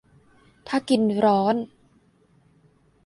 ถ้า กินร้อน